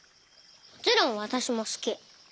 もちろんわたしもすき。